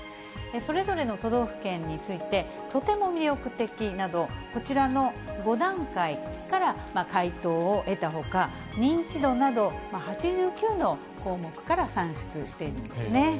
それぞれの都道府県について、とても魅力的など、こちらの５段階から回答を得たほか、認知度など、８９の項目から算出しているんですね。